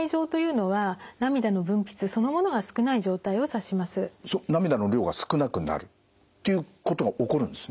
あのまずそのうち涙の量が少なくなるっていうことが起こるんですね。